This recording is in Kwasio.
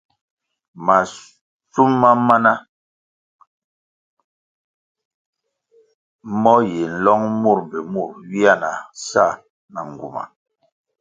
Mashum ma mana mo yi nlong mur mbpi mur ywia na sa na nguma.